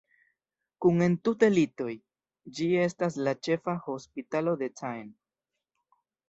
Kun entute litoj, ĝi estas la ĉefa hospitalo de Caen.